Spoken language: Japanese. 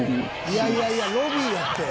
いやいやいやロビーやって！